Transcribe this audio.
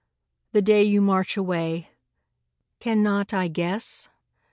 The day you march away cannot I guess?